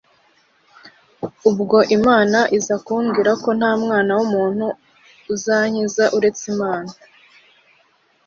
ubwo Imana iza kumbwira ko nta mwana w’umuntu uzankiza uretse Imana